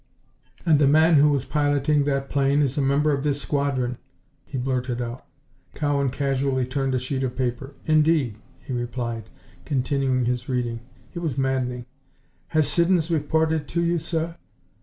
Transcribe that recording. "And the man who was piloting that plane is a member of this squadron," he blurted out. Cowan casually turned a sheet of paper. "Indeed," he replied, continuing his reading. It was maddening. "Has Siddons reported to you, sir?"